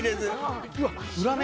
裏面？